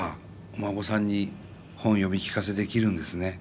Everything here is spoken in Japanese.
お孫さんに本読み聞かせできるんですね。